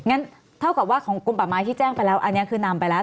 เท่ากับว่าของกลมป่าไม้ที่แจ้งไปแล้วอันนี้คือนำไปแล้ว